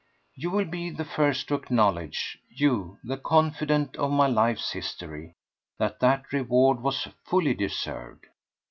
You will be the first to acknowledge—you, the confidant of my life's history—that that reward was fully deserved.